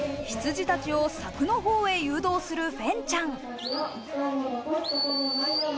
羊たちを柵の方へ誘導するフェンちゃん。